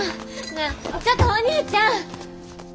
なあちょっとお兄ちゃん！